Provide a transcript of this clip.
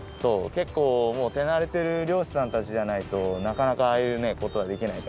けっこうもう手なれてるりょうしさんたちじゃないとなかなかああいうことはできないから。